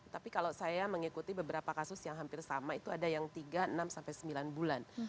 tapi kalau saya mengikuti beberapa kasus yang hampir sama itu ada yang tiga enam sampai sembilan bulan